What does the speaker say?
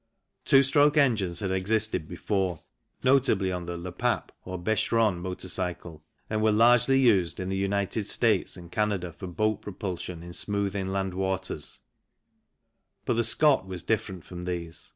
Two stroke engines had existed before, notably on the Lepape or Bechrone motor cycle, and were largely used in the United States and Canada for boat propulsion in smooth inland waters, but the Scott was different from these.